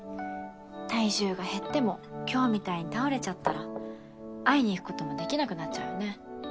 体重が減っても今日みたいに倒れちゃったら会いに行くこともできなくなっちゃうよね？